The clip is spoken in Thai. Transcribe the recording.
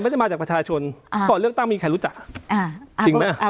มาจากประชาชนก่อนเลือกตั้งมีใครรู้จักอ่าจริงไหม